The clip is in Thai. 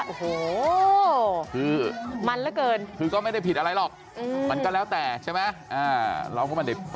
โอ้โหคือมันเหลือเกินคือก็ไม่ได้ผิดอะไรหรอกมันก็แล้วแต่ใช่ไหม